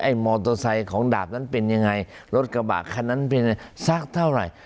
มอเตอร์ไซค์ของดาบนั้นเป็นยังไงรถกระบะคันนั้นเป็นสักเท่าไหร่